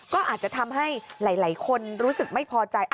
ก็อาจจะทำให้หลายคนรู้สึกไม่พอใจ